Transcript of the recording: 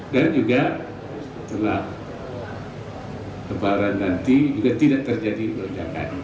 dan juga setelah lebaran nanti juga tidak terjadi lonjakan